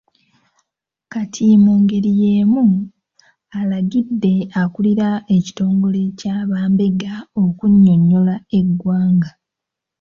Kati mu ngeri y'emu, alagidde akulira ekitongole kya bambega okunnyonnyola eggwanga.